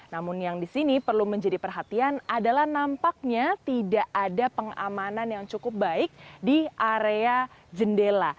namun yang di sini perlu menjadi perhatian adalah nampaknya tidak ada pengamanan yang cukup baik di area jendela